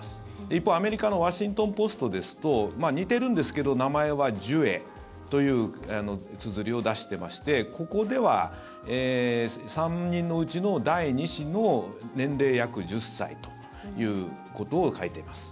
一方、アメリカのワシントン・ポストですと似てるんですけど名前はＪｕＡｅというつづりを出してましてここでは３人のうちの第２子の年齢、約１０歳ということを書いています。